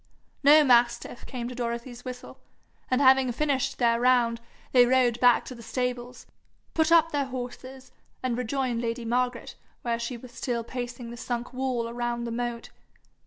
No mastiff came to Dorothy's whistle, and having finished their round, they rode back to the stables, put up their horses, and rejoined lady Margaret, where she was still pacing the sunk walk around the moat.